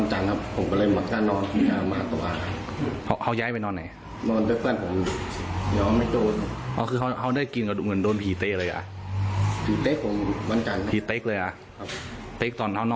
อ๋อเหมือนกันอน๒วัน